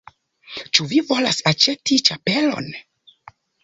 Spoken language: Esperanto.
Ĉu vi volas aĉeti ĉapelon?